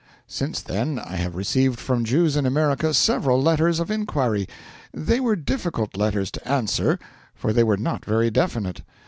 Since then I have received from Jews in America several letters of inquiry. They were difficult letters to answer, for they were not very definite.